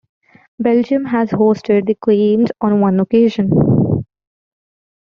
Belgium has hosted the Games on one occasion.